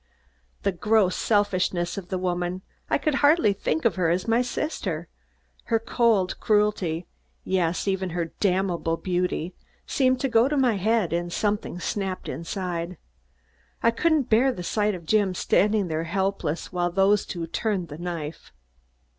The gross selfishness of the woman I could hardly think of her as my sister her cold cruelty, yes, even her damnable beauty, seemed to go to my head and something snapped inside. I couldn't bear the sight of Jim standing there helpless, while these two turned the knife.